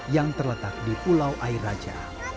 yang terletak di pulau air raja